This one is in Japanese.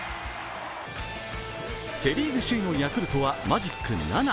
セ・リーグ首位のヤクルトはマジック７。